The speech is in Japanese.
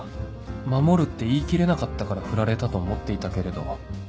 「守る」って言い切れなかったからフラれたと思っていたけれど